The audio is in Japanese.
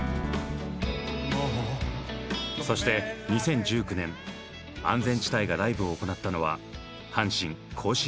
そして２０１９年安全地帯がライブを行ったのは阪神甲子園球場。